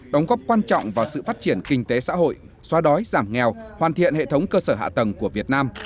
đóng góp quan trọng vào sự phát triển kinh tế xã hội xóa đói giảm nghèo hoàn thiện hệ thống cơ sở hạ tầng của việt nam